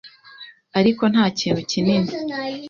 ariko nta kintu kinini